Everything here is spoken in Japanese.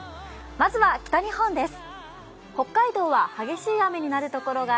まずは北日本です。